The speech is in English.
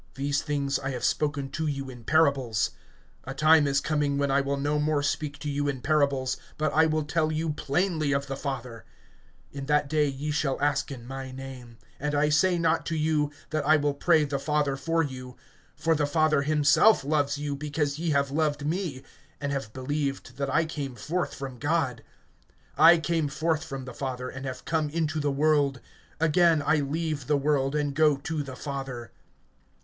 (25)These things I have spoken to you in parables. A time is coming, when I will no more speak to you in parables, but I will tell you plainly of the Father. (26)In that day ye shall ask in my name. And I say not to you, that I will pray the Father for you; (27)for the Father himself loves you, because ye have loved me, and have believed that I came forth from God. (28)I came forth from the Father, and have come into the world; again, I leave the world, and go to the Father.